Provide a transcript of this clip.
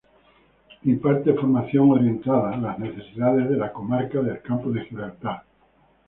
Imparte formación orientada las necesidades de la comarca del Campo de Gibraltar.